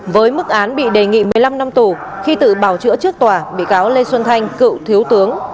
với mức án bị đề nghị một mươi năm năm tù khi tự bào chữa trước tòa bị cáo lê xuân thanh cựu thiếu tướng